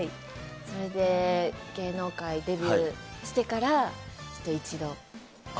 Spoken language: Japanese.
それで、芸能界デビューしてから、ちょっと一度。